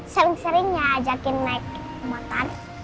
sering sering ya ajakin naik motor